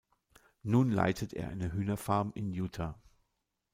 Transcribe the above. Nun leitet er eine Hühnerfarm in Utah.